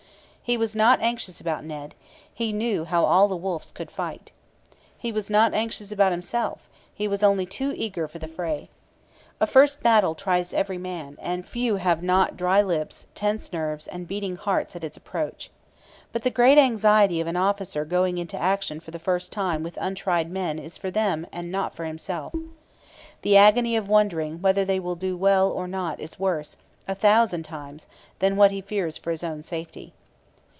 He was not anxious about 'Ned'; he knew how all the Wolfes could fight. He was not anxious about himself; he was only too eager for the fray. A first battle tries every man, and few have not dry lips, tense nerves, and beating hearts at its approach. But the great anxiety of an officer going into action for the first time with untried men is for them and not for himself. The agony of wondering whether they will do well or not is worse, a thousand times, than what he fears for his own safety.